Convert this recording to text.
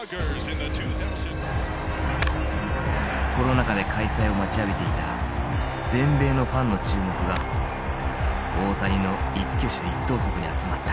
コロナ禍で開催を待ちわびていた全米のファンの注目が大谷の一挙手一投足に集まった。